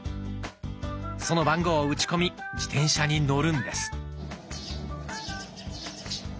その番号を打ち込み自転車に乗るんです。